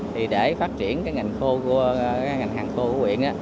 thì để phát triển cái ngành hàng khô của quyền